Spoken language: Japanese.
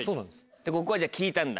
ここはじゃあ聞いたんだ。